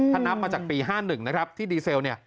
ถ้านับมาจากปี๕๑นะครับที่ดีเซลเนี่ย